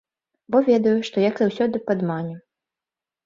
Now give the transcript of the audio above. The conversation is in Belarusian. Бо ведаю, што, як заўсёды, падмане.